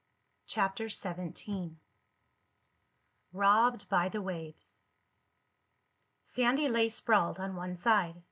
CHAPTER XVII ROBBED BY THE WAVES Sandy lay sprawled on one side.